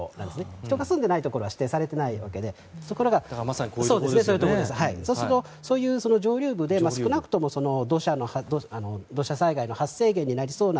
人が住んでいないところは指定されていないのでそうすると、そういう上流部で少なくとも土砂災害の発生源になりそうな